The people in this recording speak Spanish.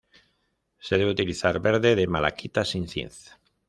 Se debe utilizar verde de malaquita sin zinc.